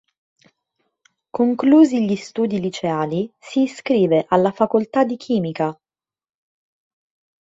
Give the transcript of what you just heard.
Conclusi gli studi liceali si iscrive alla facoltà di chimica.